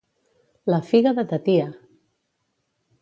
La figa de ta tia!